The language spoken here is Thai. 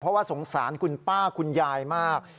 เพราะว่าสงสารคุณป้าคุณยายมาก